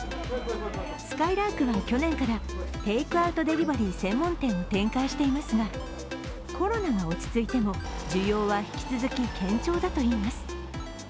すかいらーくは去年からテイクアウトデリバリー専門店を展開していますがコロナが落ち着いても需要は引き続き堅調だといいます。